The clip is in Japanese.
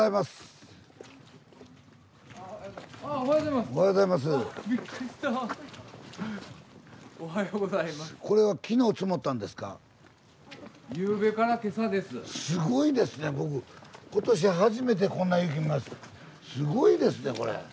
すごいですねこれ！